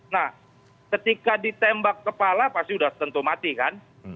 nah ketika ditembak kepala pasti sudah tentu mati kan